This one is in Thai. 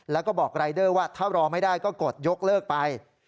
แล้วก็บอกรายเดอร์ว่าถ้ารอไม่ได้ก็กดยกเลิกไป